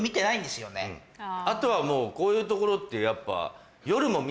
あとはもうこういう所ってやっぱ。